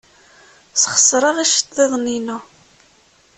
Sxeṣreɣ iceḍḍiḍen-inu.